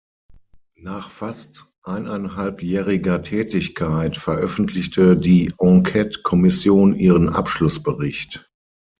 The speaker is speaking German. Nach fast eineinhalbjähriger Tätigkeit veröffentlichte die Enquete-Kommission ihren Abschlussbericht.